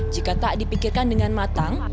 jika tak dipikirkan dengan matang